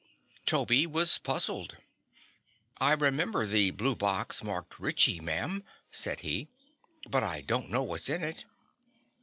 Toby was puzzled. "I remember the blue box marked 'Ritchie,' ma'am," said he, "but I don't know what's in it."